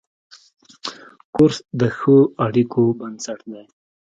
کورس د ښو اړیکو بنسټ دی.